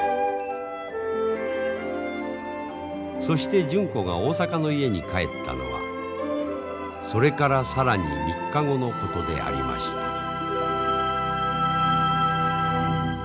そして純子が大阪の家に帰ったのはそれから更に３日後のことでありました。